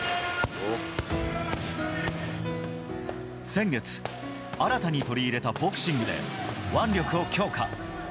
先月、新たに取り入れたボクシングで、腕力を強化。